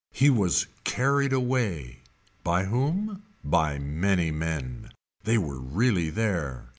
He was carried away. By whom. By many men. They were really there.